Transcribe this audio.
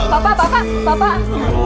bapak bapak bapak